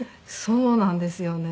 そうなんですよね。